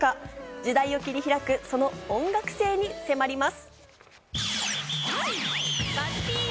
時代は切り開く、その音楽性に迫ります。